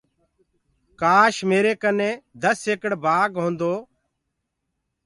ڪآش ميرآ ڪنآ دس ايڪڙ بآگ هيندو۔